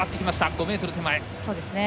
５ｍ手前。